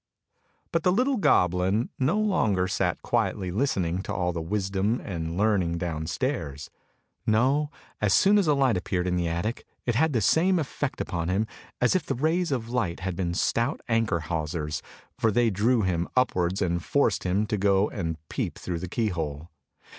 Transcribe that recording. But the little goblin no longer sat quietly listening to all the wisdom and learning downstairs; no, as soon as a light appeared in the attic, it had the same effect upon him as if the rays of light had been stout anchor hawsers, for they drew him upwards and forced him to go and peep through the key hole.